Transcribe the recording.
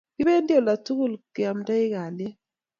kibendi oldo tugul keomtei kalyet